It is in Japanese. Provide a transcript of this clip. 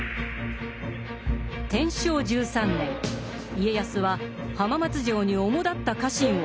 天正１３年家康は浜松城に主だった家臣を集めた。